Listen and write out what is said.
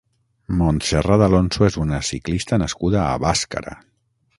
Montserrat Alonso és una ciclista nascuda a Bàscara.